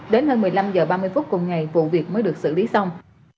đến hơn một mươi năm h ba mươi phút cùng ngày vụ việc mới được xử lý xong